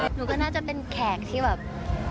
อันนี้ก็น่าจะเป็นแขกที่เขาไปเยี่ยมบ่อย